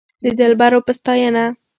د دلبرو په ستاينه